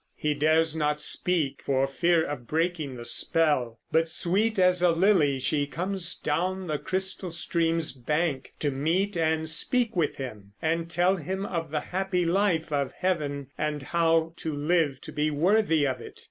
He dares not speak for fear of breaking the spell; but sweet as a lily she comes down the crystal stream's bank to meet and speak with him, and tell him of the happy life of heaven and how to live to be worthy of it.